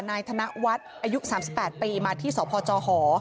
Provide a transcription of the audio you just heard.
นายธนวัฒน์อายุ๓๘ปีมาที่สพจห